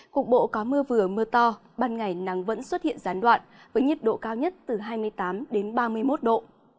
cục bộ có mưa vừa mưa to ban ngày nắng vẫn xuất hiện gián đoạn với nhiệt độ cao nhất từ hai mươi tám đến ba mươi một độ